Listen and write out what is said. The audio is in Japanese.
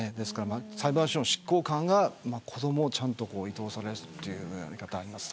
裁判所の執行官が子どもを移動させるというやり方はあります。